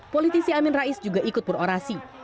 politisi amin rais juga ikut berorasi